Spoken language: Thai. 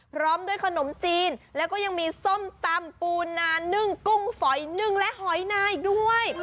พร้อมด้วยขนมจีนแล้วก็ยังมีส้มตำปูนานึ่งกุ้งฝอยนึ่งและหอยนาอีกด้วย